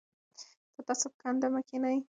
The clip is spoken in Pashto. د تعصب کنده مه کیندئ.